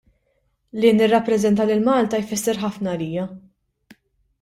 Li nirrappreżenta lil Malta jfisser ħafna għalija.